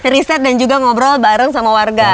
riset dan juga ngobrol bareng sama warga